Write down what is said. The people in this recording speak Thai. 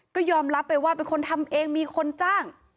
ก็ยอมรับไปว่าเป็นคนทำเองมีคนจ้าง